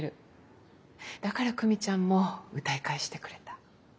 だから久美ちゃんも歌い返してくれた。